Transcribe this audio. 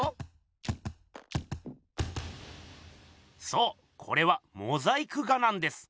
そうこれはモザイク画なんです。